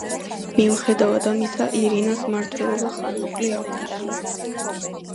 მიუხედავად ამისა, ირინას მმართველობა ხანმოკლე აღმოჩნდა.